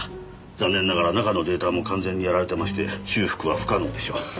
残念ながら中のデータも完全にやられてまして修復は不可能でしょう。